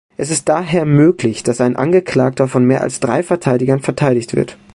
Es ist daher möglich, dass ein Angeklagter von mehr als drei Verteidigern verteidigt wird.